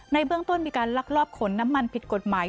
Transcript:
ในเบื้องต้นมีการลักลอบขนน้ำมันผิดกฎหมาย